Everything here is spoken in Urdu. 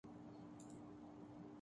گھر سے بے گھر کر دیتا ہے